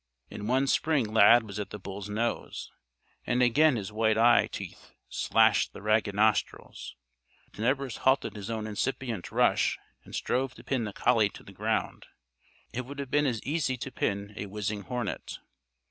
In one spring Lad was at the bull's nose. And again his white eye teeth slashed the ragged nostrils. Tenebris halted his own incipient rush and strove to pin the collie to the ground. It would have been as easy to pin a whizzing hornet.